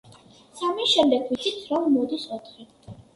სამის შემდეგ ვიცით რომ მოდის ოთხი.